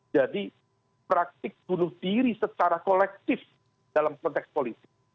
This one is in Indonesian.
jadi praktik bunuh diri secara kolektif dalam konteks politik